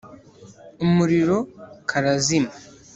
umuriro karazima.